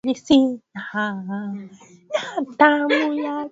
Hali ya California kitabu hiki kinatoa ufahamu mkubwa wa